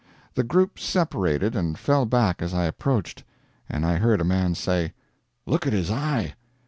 The group separated and fell back as I approached, and I heard a man say, "Look at his eye!"